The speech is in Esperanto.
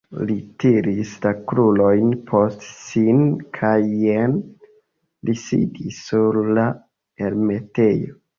Li tiris la krurojn post sin kaj jen li sidis sur la elmetejo.